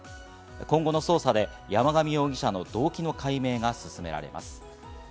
今後の捜査で山上容疑者の動機の解明が進められます。